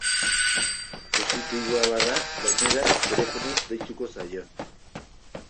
Positiboa bada, gainera, telefonoz deituko zaio.